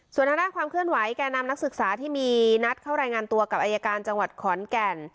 ส่วนทางด้านความเคลื่อนไหวแก่นำนักศึกษาที่มีนัดเข้ารายงานตัวกับอายการจังหวัดขอนแก่น